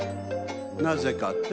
なぜかって？